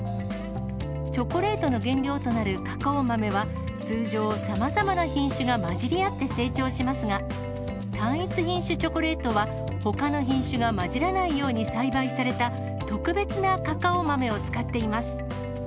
チョコレートの原料となるカカオ豆は、通常、さまざまな品種が混じり合って成長しますが、単一品種チョコレートは、ほかの品種が混じらないように栽培された、特別なカカオ豆を使っています。